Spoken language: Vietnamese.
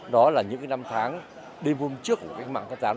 đó là những năm tháng đêm hôm trước của các mạng thân giáo